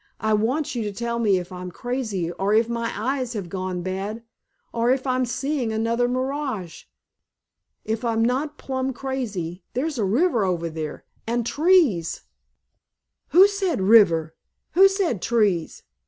"I want you to tell me if I'm crazy or if my eyes have gone bad or if I'm seeing another mirage! If I'm not plumb crazy there's a river over there, and trees——" "Who said 'river'—who said 'trees'?"